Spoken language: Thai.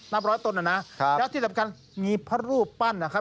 นับร้อยต้นน่ะนะแล้วที่เหลือกันมีพระรูปปั้นนะครับ